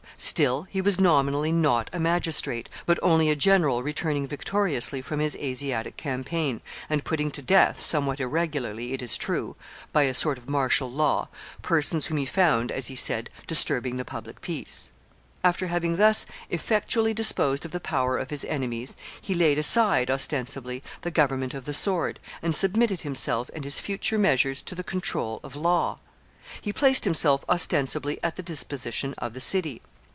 Still he was nominally not a magistrate, but only a general returning victoriously from his Asiatic campaign, and putting to death, somewhat irregularly, it is true, by a sort of martial law persons whom he found, as he said, disturbing the public peace. After having thus effectually disposed of the power of his enemies, he laid aside, ostensibly, the government of the sword, and submitted himself and his future measures to the control of law. He placed himself ostensibly at the disposition of the city.